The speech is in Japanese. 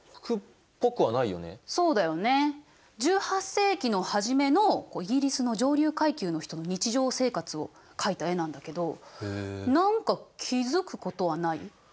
１８世紀の初めのイギリスの上流階級の人の日常生活を描いた絵なんだけど何か気付くことはない？